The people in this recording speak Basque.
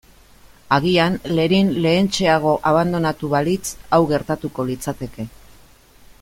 Agian Lerin lehentxeago abandonatu balitz hau gertatuko litzateke.